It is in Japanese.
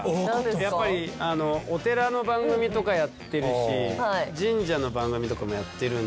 やっぱりお寺の番組とかやってるし神社の番組とかもやってるんで。